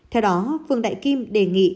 theo đó phường đại kim đề nghị